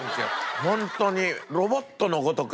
ホントにロボットのごとく。